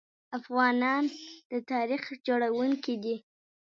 افغانان د تاریخ جوړونکي دي.